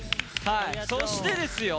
そしてですよ